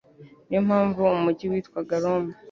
Niyo mpamvu umujyi witwaga Roma.